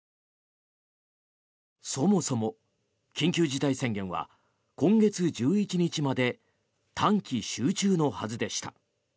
そもそも緊急事態宣言は今月１１日まで短期集中のはずでした。